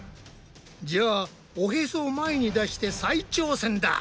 じゃあおヘソを前に出して再挑戦だ。